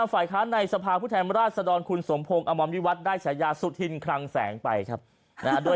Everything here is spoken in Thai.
นักขาวสะภาพบอกมาทั้งนั้น